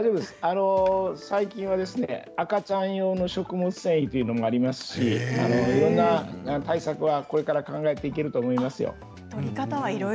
最近は赤ちゃん用の食物繊維というのがありますしいろんな対策をこれから考えていけると思いますよ。